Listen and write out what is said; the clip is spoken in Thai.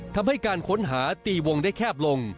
ทำให้การค้นหาตีวงได้แคบลง